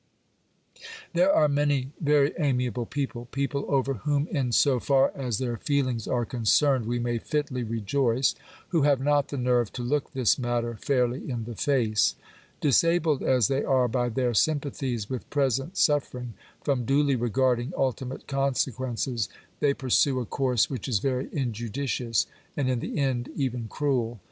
There are many very amiable people— people over whom in so far as theSr feelings are concerned we may fitly rejoice — who have not the nerve to look this matter fairly in the face. Disabled as they are by their sympathies with present suffer ing, from duly regarding ultimate consequences, they pursue a course which is very injudicious, and in the end even cruel.